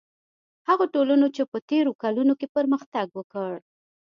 هغو ټولنو چې په تېرو کلونو کې پرمختګ وکړ.